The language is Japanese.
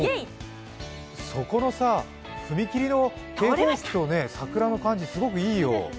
そこの踏切の警報機と桜の感じ、すごくいいよ。